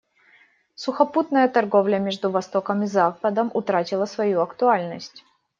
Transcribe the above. Сухопутная торговля между Востоком и Западом утратила свою актуальность.